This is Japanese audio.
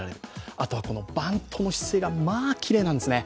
あとはバントの姿勢がまあ、きれいなんですね。